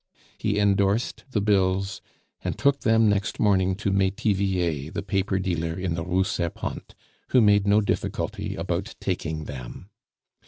He endorsed the bills, and took them next morning to Metivier, the paper dealer in the Rue Serpente, who made no difficulty about taking them.